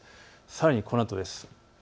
さらにこのあとです。